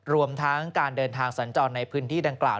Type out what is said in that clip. รวมทั้งการเดินทางสัญจรในพื้นที่ดังกล่าว